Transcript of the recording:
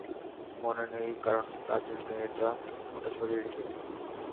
মনে নেই কারণ কাজের মেয়টা ওটা সরিয়ে রেখেছে।